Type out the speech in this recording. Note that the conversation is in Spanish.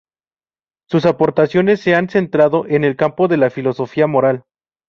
Sus aportaciones se han centrado en el campo de la filosofía moral.